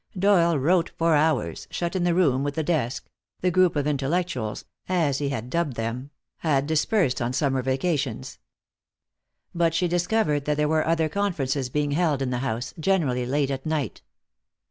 Doyle wrote for hours, shut in the room with the desk; the group of intellectuals, as he had dubbed them, had dispersed on summer vacations. But she discovered that there were other conferences being held in the house, generally late at night.